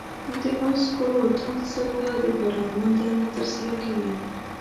د آس ګلو اطاق څنګه د پارلمان دنده ترسره کوي؟